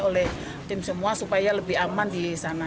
oleh tim semua supaya lebih aman di sana